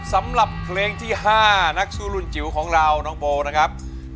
สำหรับเพลงที่๕นักสู้รุ่นจิ๋วของเราน้องโบนะครับ